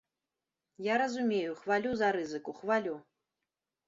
Я разумею, хвалю за рызыку, хвалю.